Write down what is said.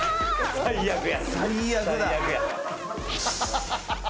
最悪や！